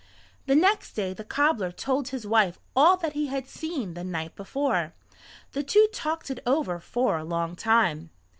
The next day the cobbler told his wife all that he had seen the night before. The two talked it over for a long time.